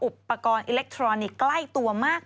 พี่ชอบแซงไหลทางอะเนาะ